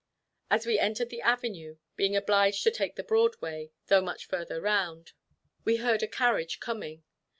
As we entered the avenue, being obliged to take the broad way, though much further round, we heard a carriage coming.